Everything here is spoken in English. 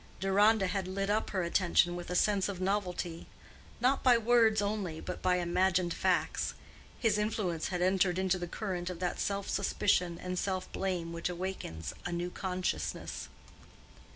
Deronda had lit up her attention with a sense of novelty: not by words only, but by imagined facts, his influence had entered into the current of that self suspicion and self blame which awakens a new consciousness.